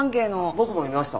僕も見ました。